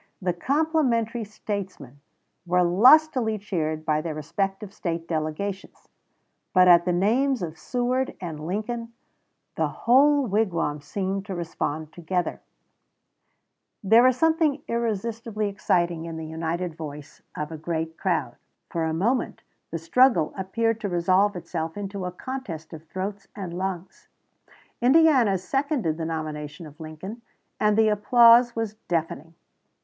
The "complimentary" statesmen were lustily cheered by their respective State delegations; but at the names of Seward and Lincoln the whole wigwam seemed to respond together. Halstead, "Conventions of 1860," p. 145. There is something irresistibly exciting in the united voice of a great crowd. For a moment the struggle appeared to resolve itself into a contest of throats and lungs. Indiana seconded the nomination of Lincoln, and the applause was deafening.